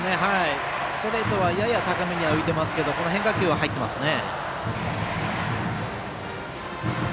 ストレートはやや高めには浮いていますがこの変化球は入っていますね。